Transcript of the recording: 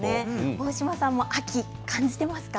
大島さんも秋、感じていますか？